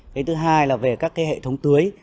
cái thứ hai là về các cái hệ thống tưới